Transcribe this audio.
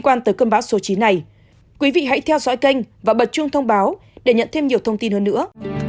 quý vị hãy theo dõi kênh và bật chuông thông báo để nhận thêm nhiều thông tin hơn nữa